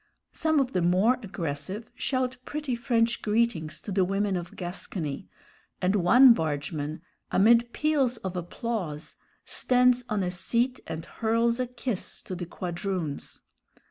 Some of the more aggressive shout pretty French greetings to the women of Gascony, and one bargeman, amid peals of applause, stands on a seat and hurls a kiss to the quadroons.